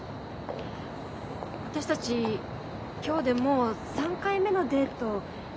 私たち今日でもう３回目のデートよね？